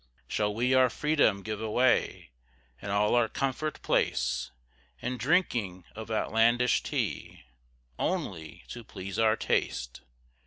Shall we our freedom give away, And all our comfort place, In drinking of outlandish tea, Only to please our taste?